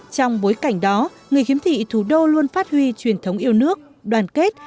trong bối cảnh đó người khiếm thị thủ đô luôn phát huy truyền thống yêu nước đoàn kết